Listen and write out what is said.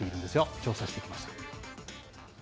調査してきました。